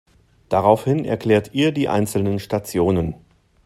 Daraufhin erklärt ihr die einzelnen Stationen.